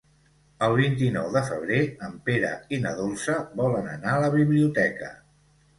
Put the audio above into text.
El vint-i-nou de febrer en Pere i na Dolça volen anar a la biblioteca.